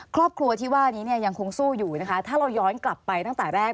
ครอบครัวที่ว่านี้เนี่ยยังคงสู้อยู่นะคะถ้าเราย้อนกลับไปตั้งแต่แรก